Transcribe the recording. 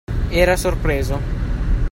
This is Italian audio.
Era sorpreso.